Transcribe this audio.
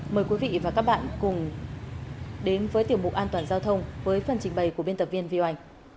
mời quý vị và các bạn cùng đến với tiểu mục an toàn giao thông với phần trình bày của biên tập viên viu anh